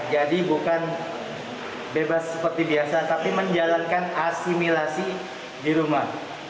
jadi bukan bebas seperti biasa tapi menjalankan asimilasi di rumah